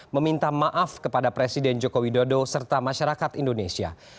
meminta maaf kepada presiden joko widodo serta masyarakat indonesia